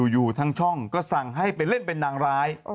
อยู่ทางช่องก็สั่งให้ไปเล่นเป็นนางร้าย